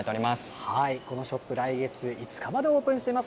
このショップ、来月５日までオープンしています。